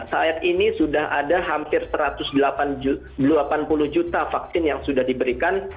saat ini sudah ada hampir satu ratus delapan puluh juta vaksin yang sudah diberikan